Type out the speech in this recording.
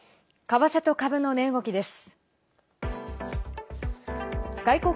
為替と株の値動きです。